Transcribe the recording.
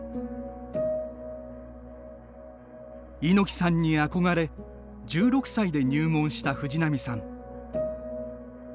猪木さんに憧れ１６歳で入門した藤波さん。